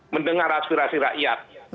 mendengar aspirasi rakyat